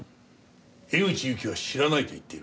江口ゆきは知らないと言っている。